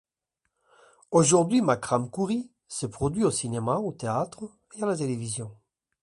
Aujourd’hui, Makram Khoury se produit au cinéma, au théâtre et à la télévision.